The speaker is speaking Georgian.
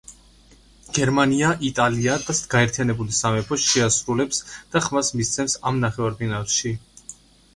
გერმანია, იტალია და გაერთიანებული სამეფო შეასრულებს და ხმას მისცემს ამ ნახევარფინალში.